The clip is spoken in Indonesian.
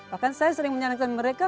bahkan saya sering menyarankan mereka